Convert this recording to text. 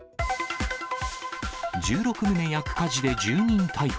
１６棟焼く火事で住人逮捕。